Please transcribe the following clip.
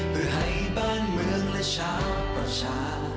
เพื่อให้บ้านเมืองและชาวประชา